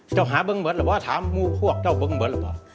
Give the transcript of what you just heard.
เจ้าหาเบิ้งม้อยถามมูของเจ้าเบิ้งม้อยหรือเปล่า